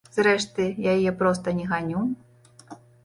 Зрэшты, я яе проста не ганю.